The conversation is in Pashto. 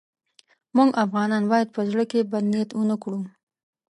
موږ افغانان باید په زړه کې بد نیت ورنه کړو.